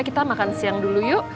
kita makan siang dulu yuk